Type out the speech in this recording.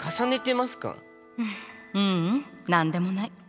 ふうううん何でもない。